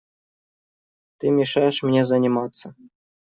Ты мешаешь мне заниматься.